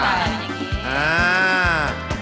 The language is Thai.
อะไรกันอย่างงี้